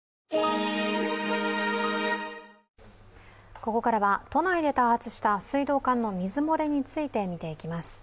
ここからは都内で多発した水道管の水漏れについて見ていきます。